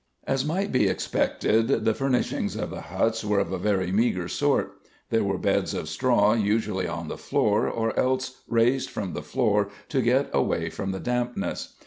As might be expected the furnishings of the huts were of a very meagre sort. There were beds of straw usually on the floor or else raised from the floor to get away from the dampness.